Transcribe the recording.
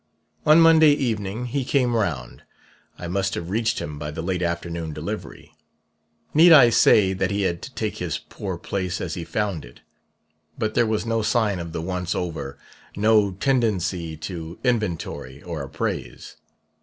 On Monday evening he came round I must have reached him by the late afternoon delivery. Need I say that he had to take this poor place as he found it? But there was no sign of the once over no tendency to inventory or appraise.